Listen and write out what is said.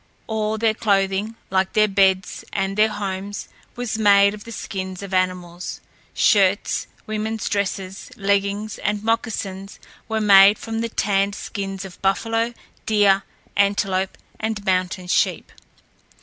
All their clothing, like their beds and their homes, was made of the skins of animals. Shirts, women's dresses, leggings, and moccasins were made from the tanned skins of buffalo, deer, antelope, and mountain sheep.